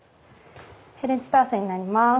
フレンチトーストになります。